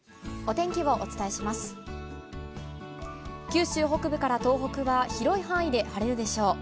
九州北部から東北は広い範囲で晴れるでしょう。